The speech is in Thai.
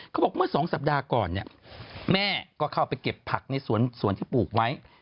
เขาบอกเมื่อ๒สัปดาห์ก่อนเนี่ยแม่ก็เข้าไปเก็บผักในสวนที่ปลูกไว้